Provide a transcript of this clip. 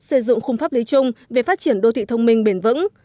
xây dựng khung pháp lý chung về phát triển đô thị thông minh bền vững